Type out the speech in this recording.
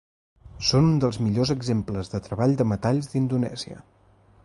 Són un dels millors exemples de treball de metalls d'Indonèsia.